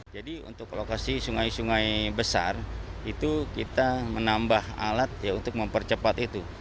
jadi untuk lokasi sungai sungai besar itu kita menambah alat untuk mempercepat itu